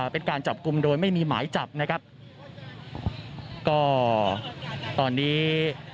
เป็นการจับกลุ่มโดยไม่มีหมายจับนะครับก็ตอนนี้